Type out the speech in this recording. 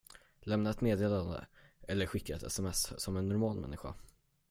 Lämna ett meddelande eller skicka ett sms som en normal människa.